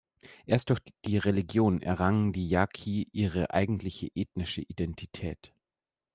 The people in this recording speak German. Erst durch die Religion errangen die Yaqui ihre eigentliche ethnische Identität.